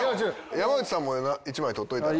山内さんも１枚撮っといたら？